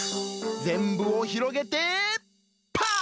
ぜんぶをひろげてパッ！